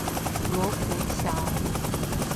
羅浮橋